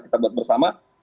kita buat bersama